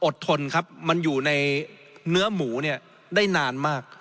ทนครับมันอยู่ในเนื้อหมูเนี่ยได้นานมาก